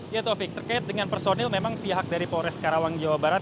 ya taufik terkait dengan personil memang pihak dari polres karawang jawa barat